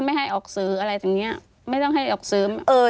ไม่ให้ออกสืออะไรแบบนี้ไม่ต้องให้ออกสือ